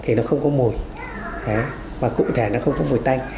thì nó không có mùi và cụ thể nó không có mùi tanh